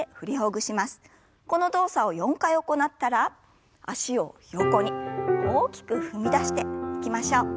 この動作を４回行ったら脚を横に大きく踏み出していきましょう。